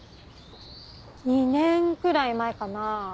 ２年くらい前かな。